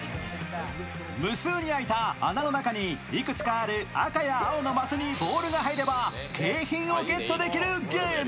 無数に空いた穴の中にいくつかある赤や青のマスにボールが入れば景品をゲットできるゲーム。